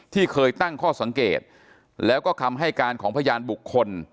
ที่เคยตั้งข้อสังเกตแล้วก็คำให้การของพยานบุคคล